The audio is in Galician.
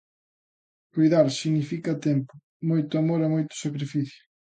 Coidar significa tempo, moito amor e moito sacrificio.